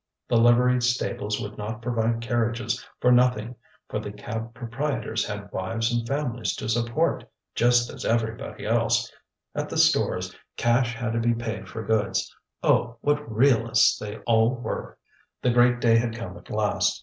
The livery stables would not provide carriages for nothing for the cab proprietors had wives and families to support, just as everybody else; at the stores cash had to be paid for goods, Oh! what realists they all were! The great day had come at last.